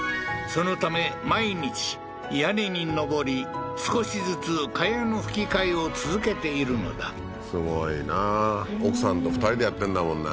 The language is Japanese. そのため毎日屋根に登り少しずつ茅の葺き替えを続けているのだすごいな奥さんと２人でやってんだもんね